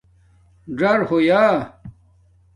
ڎر ہویݳ